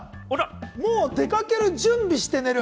もう出かける準備して寝る。